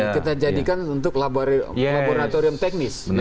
kita jadikan untuk laboratorium teknis